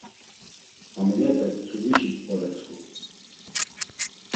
Haminepe mtsudişi p̌ǩoretsxum.